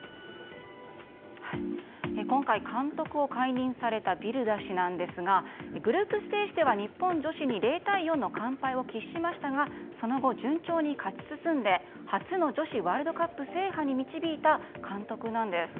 今回、監督を解任されたビルダ氏なんですがグループステージでは日本女子に０対４の完敗を喫しましたがその後、順調に勝ち進んで初の女子ワールドカップ制覇に導いた監督です。